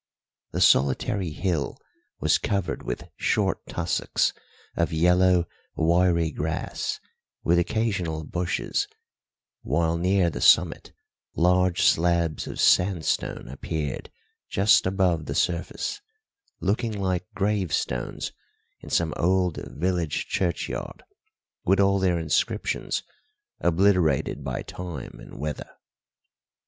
The solitary hill was covered with short tussocks of yellow, wiry grass, with occasional bushes, while near the summit large slabs of sandstone appeared just above the surface, looking like gravestones in some old village churchyard, with all their inscriptions obliterated by time and weather.